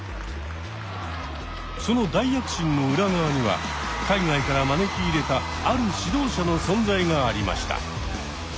その大躍進の裏側には海外から招き入れたある指導者の存在がありました。